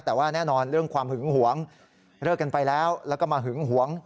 แต่ว่าแน่นอนเรื่องความหึงหวงเลิกกันไปแล้วแล้วก็มาหึงหวง